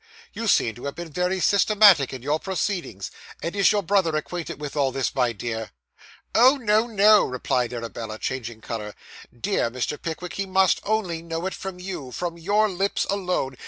you seem to have been very systematic in your proceedings. And is your brother acquainted with all this, my dear?' 'Oh, no, no,' replied Arabella, changing colour. 'Dear Mr. Pickwick, he must only know it from you from your lips alone.